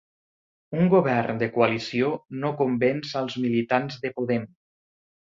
Un govern de coalició no convenç als militants de Podem